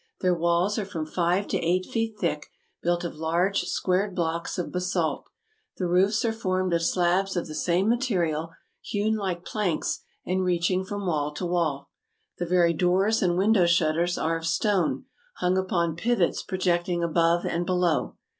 Their walls are from five to eight feet thick, built of large squared blocks of basalt; the roofs are formed of slabs of the same material, hewn like planks, and reaching from wall to wall ; the very doors and window shutters are of stone, hung upon pivots projecting above and below.